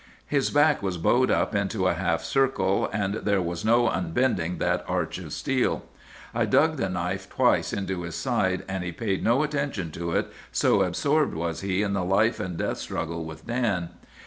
"'His back was bowed up into a half circle, and there was no unbending that arch of steel. "'I dug the knife twice into his side, and he paid no attention to it, so absorbed was he in the life and death struggle with Dan.